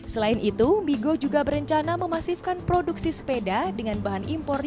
selain itu migo juga berencana memasifkan produksi sepeda dengan bahan impor